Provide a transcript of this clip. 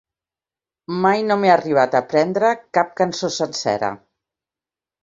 Mai no m'he arribat a aprendre cap cançó sencera.